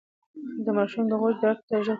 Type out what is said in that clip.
د ماشوم د غوږ درد ته ژر پام وکړئ.